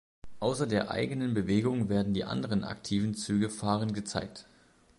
Außer der eigenen Bewegung werden die anderen aktiven Züge fahrend gezeigt.